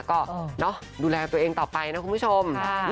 ก็ดูแลตัวเองต่อไปนะคุณผู้ชม